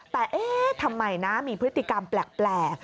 แต่เอ๊ะทำไมนะมีพฤติกรรมแปลก